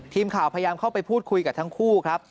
ทีมข่าวพยายามเข้าไปพูดคุยกับทั้งคู่ครับ